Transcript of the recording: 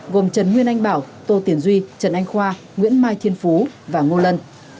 gồm trần nguyên anh bảo tô tiền duy trần anh khoa nguyễn mai thiên phú và ngô lân